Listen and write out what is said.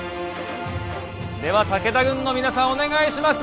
では武田軍の皆さんお願いします。